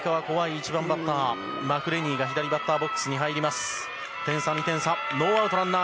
１番バッターマクレニーが左バッターボックスに入りました。